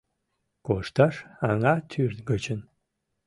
Кошташ аҥа тӱр гычын.